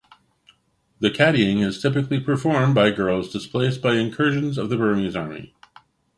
The caddying is typically performed by girls displaced by incursions of the Burmese army.